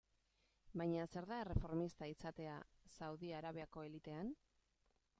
Baina zer da erreformista izatea Saudi Arabiako elitean?